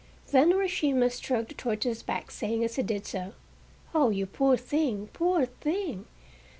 Then Urashima stroked the tortoise's back, saying as he did so: "Oh, you poor thing! Poor thing!